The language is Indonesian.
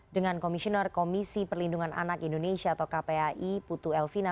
dengan komisioner komisi perlindungan anak indonesia atau kpai putu elvina